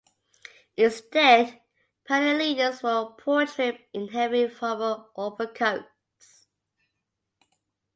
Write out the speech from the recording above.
Instead, pioneer leaders were portrayed in heavy formal overcoats.